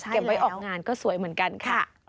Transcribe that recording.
ไว้ออกงานก็สวยเหมือนกันค่ะ